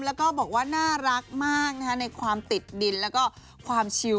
แล้วก็บอกว่าน่ารักมากในความติดดินแล้วก็ความชิว